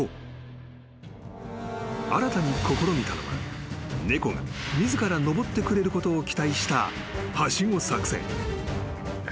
［新たに試みたのは猫が自ら上ってくれることを期待した］